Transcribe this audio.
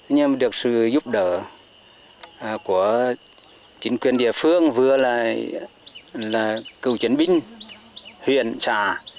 nhưng được sự giúp đỡ của chính quyền địa phương vừa là cựu chiến binh huyện xã